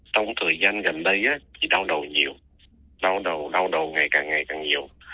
trong thời gian gần đây chị đau đầu nhiều đau đầu ngày càng ngày càng nhiều